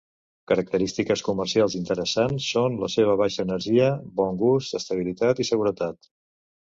Característiques comercials interessants són la seva baixa energia, bon gust, estabilitat i seguretat.